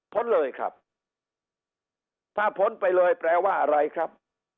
พ้นเลยครับถ้าพ้นไปเลยแปลว่าอะไรครับ